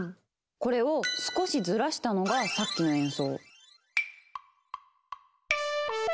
これを少しずらしたのがさっきの演奏。